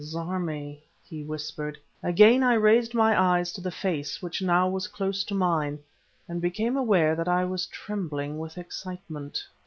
"Zarmi!" he whispered. Again I raised my eyes to the face which now was close to mine, and became aware that I was trembling with excitement....